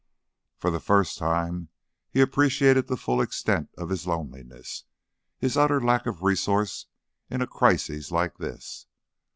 For the first time he appreciated the full extent of his loneliness; his utter lack of resource in a crisis like this.